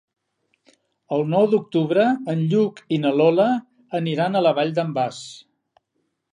El nou d'octubre en Lluc i na Lola aniran a la Vall d'en Bas.